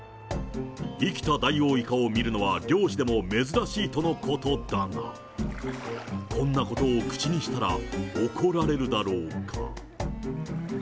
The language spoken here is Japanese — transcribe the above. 生きたダイオウイカを見るのは漁師でも珍しいとのことだが、こんなことを口にしたら、怒られるだろうか。